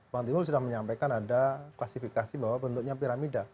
pak iqbal sudah menyampaikan ada klasifikasi bahwa bentuknya piramida